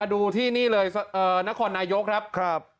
ดูที่นี่เลยเอ่อนครนายกครับครับ